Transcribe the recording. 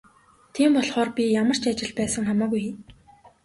Тийм болохоор би ямар ч ажил байсан хамаагүй хийнэ.